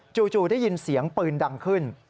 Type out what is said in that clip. จู่ได้ยินเสียงปืนดังขึ้น